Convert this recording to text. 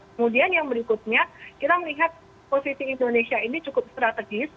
kemudian yang berikutnya kita melihat posisi indonesia ini cukup strategis